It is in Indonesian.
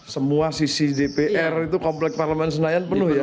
semua sisi dpr itu komplek parlemen senayan penuh ya